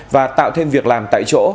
và tạo thêm việc làm tại chỗ